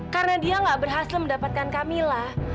karena dia nggak berhasil mendapatkan kamila